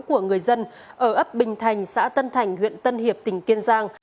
của người dân ở ấp bình thành xã tân thành huyện tân hiệp tỉnh kiên giang